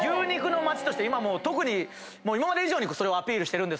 今特に今まで以上にそれをアピールしてるんですけど。